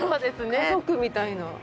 家族みたいな。